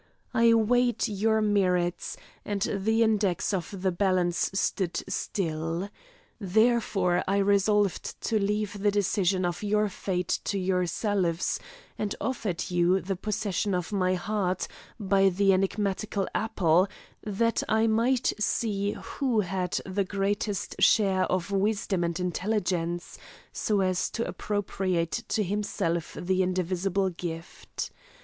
I weighed your merits, and the index of the balance stood still. Therefore I resolved to leave the decision of your fate to yourselves, and offered you the possession of my heart by the enigmatical apple, that I might see who had the greatest share of wisdom and intelligence, so as to appropriate to himself the indivisible gift.